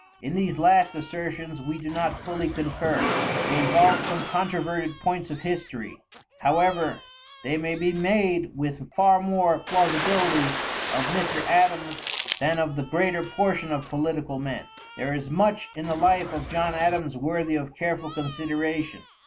In these last assertions we do not fully concur. They involve some controverted points of history; however, they may be made with far more plausibility of Mr. Adams than of the greater portion of political men. There is much in the life of John Adams worthy of careful consideration.